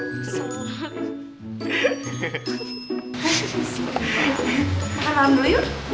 makan malam dulu yuk